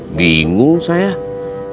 gak sibut analysasi